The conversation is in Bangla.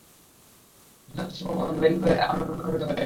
যদিও তার সেই ক্ষমতাও নির্বাহী বিভাগের আমলাদের মাধ্যমেই প্রয়োগ হয়ে থাকে।